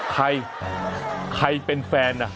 ใครใครเป็นแฟน